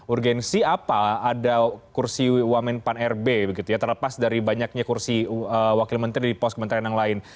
urgensi apa ada kursi wamen pan rb begitu ya terlepas dari banyaknya kursi wakil menteri di pos kementerian yang lain